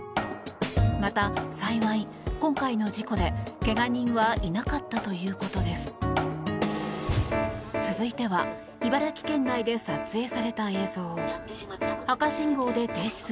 また、幸い今回の事故でけが人はいなかったということです。